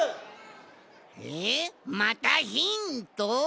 えっまたヒント？